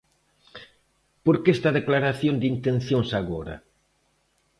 Por que esta declaración de intencións agora?